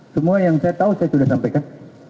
semua yang saya tahu saya sudah sampaikan